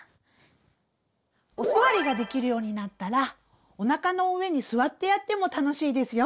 お座りができるようになったらおなかの上に座ってやっても楽しいですよ。